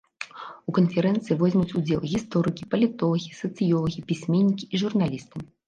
У канферэнцыі возьмуць удзел гісторыкі, палітолагі, сацыёлагі, пісьменнікі і журналісты.